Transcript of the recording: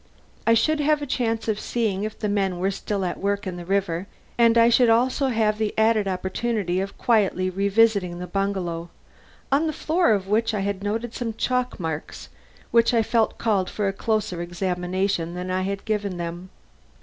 I should have a chance of seeing if the men were still at work in the river, and I should also have the added opportunity of quietly revisiting the bungalow, on the floor of which I had noted some chalk marks, which I felt called for a closer examination than I had given them.